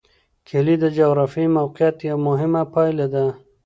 کلي د جغرافیایي موقیعت یوه مهمه پایله ده.